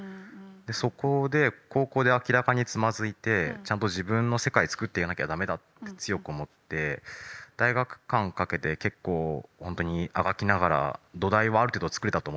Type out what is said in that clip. そこで高校で明らかにつまずいてちゃんと自分の世界つくっていかなきゃ駄目だって強く思って大学期間かけて結構ほんとにあがきながら土台はある程度はつくれたと思ってるんですね。